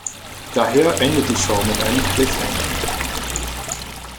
Daher endet die Show mit einem Cliffhanger.